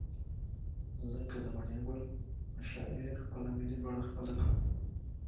ځكه د مڼې گل مشاعرې خپله ملي بڼه خپله كړه.